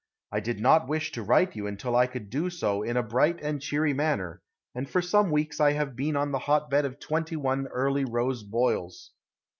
I did not wish to write you until I could do so in a bright and cheery manner, and for some weeks I have been the hot bed of twenty one Early Rose boils.